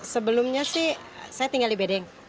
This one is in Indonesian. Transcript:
sebelumnya sih saya tinggal di bedeng